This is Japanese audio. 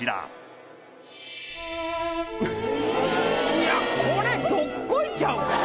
いやこれどっこいちゃうか？